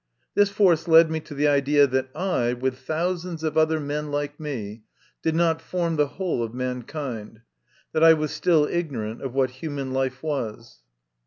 This force led me to the idea that I, with thousands of other men like me, did not form the whole of mankind that I was still ignorant of what human life was.